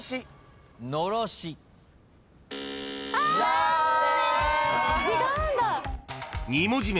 残念！